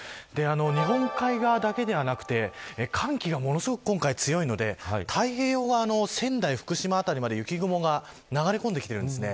日本海側だけではなくて寒気がものすごく今回強いので太平洋側の仙台、福島辺りまで雪雲が流れ込んできています。